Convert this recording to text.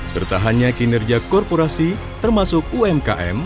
bertahannya kinerja korporasi termasuk umkm